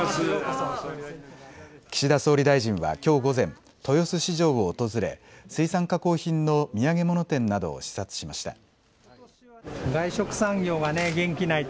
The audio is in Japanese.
岸田総理大臣はきょう午前、豊洲市場を訪れ水産加工品の土産物店などを視察しました。